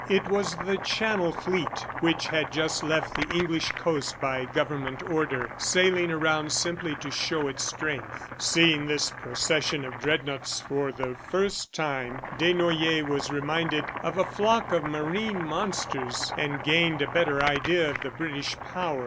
It was the Channel Fleet which had just left the English coast by Government order, sailing around simply to show its strength. Seeing this procession of dreadnoughts for the first time, Desnoyers was reminded of a flock of marine monsters, and gained a better idea of the British power.